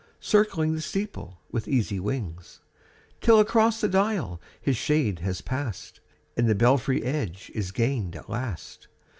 Circling the steeple with easy wings. Till across the dial his shade has pass'd, And the belfry edge is gain'd at last.